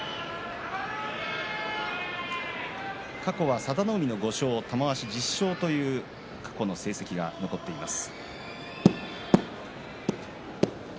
過去は佐田の海の５勝玉鷲の１０勝という成績が残っています。